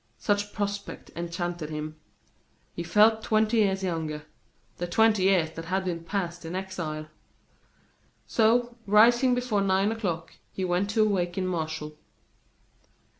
Such a prospect enchanted him. He felt twenty years younger the twenty years that had been passed in exile. So, rising before nine o'clock, he went to awaken Martial.